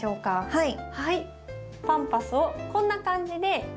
はい。